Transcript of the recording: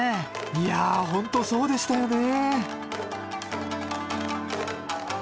いやホントそうでしたよね